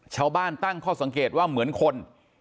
ชาวบ้านตั้งข้อสังเกตว่าเหมือนคน